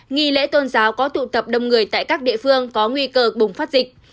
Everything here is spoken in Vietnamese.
nghi lễ tôn giáo có tụ tập đông người tại các địa phương có nguy cơ bùng phát dịch